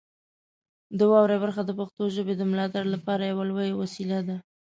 د واورئ برخه د پښتو ژبې د ملاتړ لپاره یوه لویه وسیله ده.